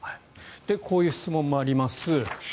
こういう質問もあります。